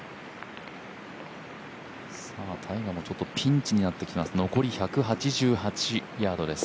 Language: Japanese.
タイガーもピンチになってきます、残り１８８ヤードです。